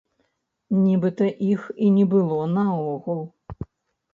Нібыта іх і не было наогул.